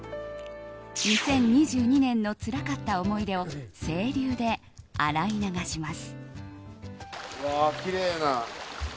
２０２２年のつらかった思い出を清流で洗い流します。